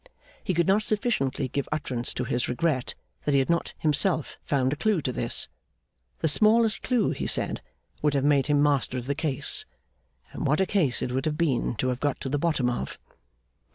He could not sufficiently give utterance to his regret that he had not himself found a clue to this. The smallest clue, he said, would have made him master of the case, and what a case it would have been to have got to the bottom of!